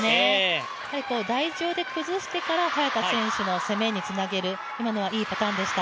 台上で崩してから早田選手の攻めにつなげる今のはいいパターンでした。